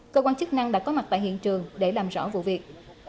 cơ quan chức năng đã có mặt tại hiện trường để làm rõ vụ việc